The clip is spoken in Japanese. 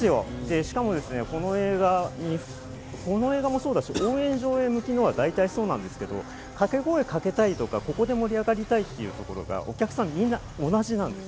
しかもこの映画、それもそうだし、応援上映向きなのは大体そうなんですけど、掛け声かけたいとか、ここで盛り上がりたいというところがお客さん、みんな同じなんです。